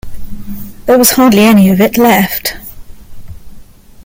There was hardly any of it left.